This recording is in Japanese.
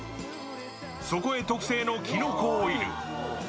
そこへ特製のきのこオイル。